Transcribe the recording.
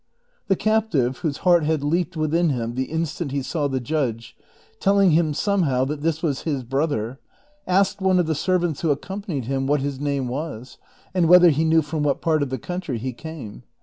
The captive, whose heart had leaped within him the instant he saw the judge, telling him somehow that this was his brother, asked one of the servants who accompanied him what his name was, and whether he knew from what part of the country he came.